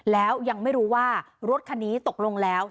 แล้วยังไม่รู้ว่ารถคันนี้ตกลงแล้ว